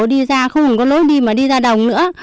đi ra không có lối đi mà đi ra đồng nữa